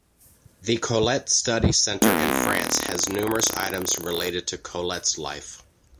The Colette Study Centre in France has numerous items related to Colette's life.